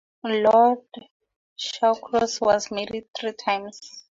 Lord Shawcross was married three times.